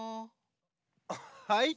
はい？